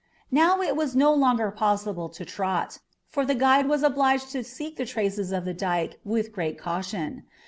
Now it was no longer possible to trot, for the guide was obliged to seek the traces of the dike with great caution.